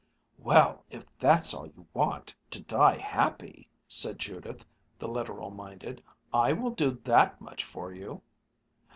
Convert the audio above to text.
"Well, if that's all you want, to die happy," said Judith, the literal minded, "I will do that much for you!"